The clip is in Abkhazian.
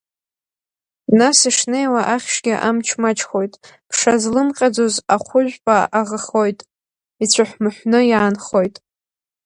Нас ишнеи-шнеиуа ахьшьгьы амч маҷхоит, ԥша злымҟьаӡоз ахәы-жәпа аӷахоит, ицәыҳә-мыҳәны иаанхоит.